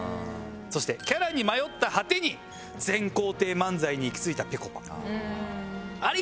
そしてキャラに迷った果てに全肯定漫才に行き着いたぺこぱ。